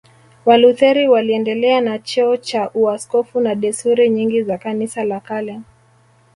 Walutheri waliendelea na cheo cha uaskofu na desturi nyingi za Kanisa la kale